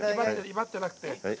威張ってなくて。